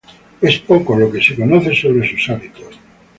Es poco lo que se conoce sobre sus hábitos.